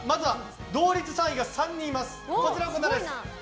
同率３位が３人います。